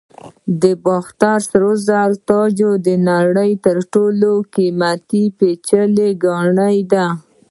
د باختر سرو زرو تاج د نړۍ تر ټولو پیچلي ګاڼې دي